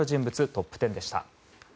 トップ１０でした。